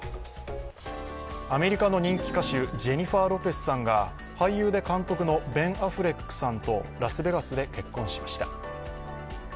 アメリカの人気歌手、ジェニファー・ロペスさんが俳優で監督のベン・アフレックさんとラスベガスで結婚しました。